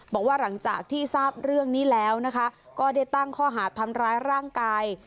บอกว่าหลังจากที่ทราบเรื่องนี้แล้วนะคะก็ได้ตั้งข้อหาดทำร้ายร่างกาย